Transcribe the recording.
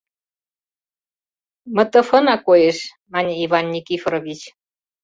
— МТФ-на коеш, — мане Иван Никифорович.